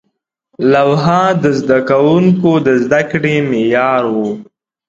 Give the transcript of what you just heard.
لوحه د زده کوونکو د زده کړې معیار و.